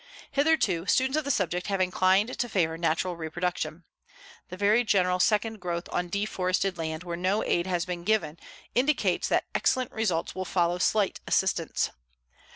Hitherto, students of the subject have inclined to favor natural reproduction. The very general second growth on deforested land where no aid has been given indicates that excellent results will follow slight assistance.